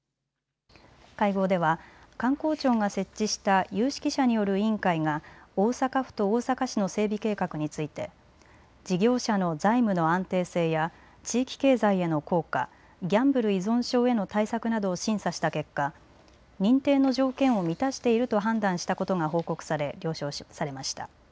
会合では観光庁が設置した有識者による委員会が大阪府と大阪市の整備計画について事業者の財務の安定性や地域経済への効果、ギャンブル依存症への対策などを審査した結果、認定の条件を満たしていると判断したことが報告され了承されました。